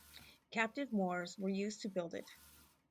Captive Moors were used to build it.